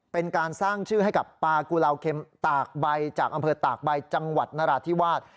เป็นการสร้างชื่อให้กับปลากุลาวเข็มตากใบจากอำเภอตากใบจังหวัดนราธิวาส